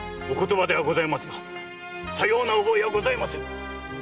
お言葉ではございますがさような覚えはございません。